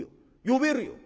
呼べるよ！